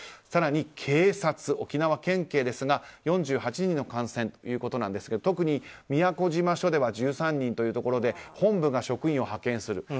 更に警察、沖縄県警ですが４８人の感染ということですが特に宮古島署では１３人ということで本部が職員を派遣する。